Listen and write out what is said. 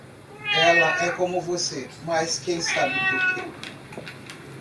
Ela é como você, mas quem sabe porque.